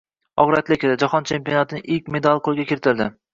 Og‘ir atletika: jahon chempionatining ilk medali qo‘lga kiritildi